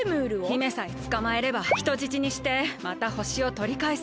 姫さえつかまえれば人質にしてまたほしをとりかえせるからな。